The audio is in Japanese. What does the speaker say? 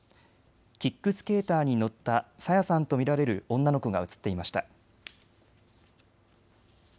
キックスケーターに乗った朝芽さんと見られる女の子が映っていました。